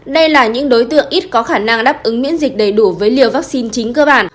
đây là những đối tượng ít có khả năng đáp ứng miễn dịch đầy đủ với liều vaccine chính cơ bản